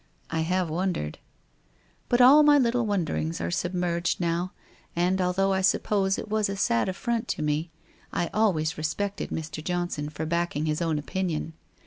I have wondered. But all my little wonderings are submerged now. And al though I suppose it was a sad affront to me, I always respected Mr. Johnson for backing his own opinion.